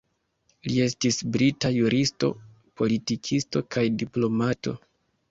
Li estis brita juristo, politikisto kaj diplomato.